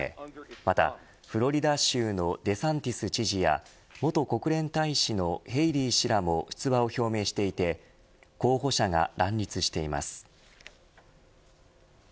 またフロリダ州のデサンティス知事や元国連大使のヘイリー氏らも出馬を表明していて候補者が乱立しています。